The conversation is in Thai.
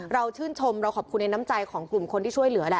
ชื่นชมเราขอบคุณในน้ำใจของกลุ่มคนที่ช่วยเหลือแหละ